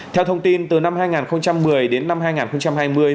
theo thông tin từ năm hai nghìn một mươi đến năm hai nghìn hai mươi